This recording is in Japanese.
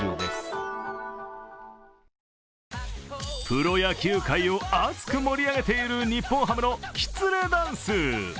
プロ野球界を熱く盛り上げている日本ハムのきつねダンス。